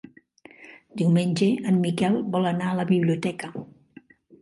Diumenge en Miquel vol anar a la biblioteca.